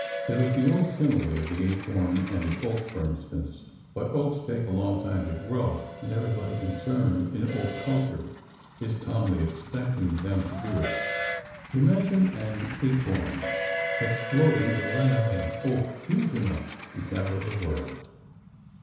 There is the old simile of the acorn and the oak, for instance. But oaks take a long time to grow, and everybody concerned in oak culture is calmly expecting them to do it. Imagine an acorn exploding to let out an oak huge enough to shadow the world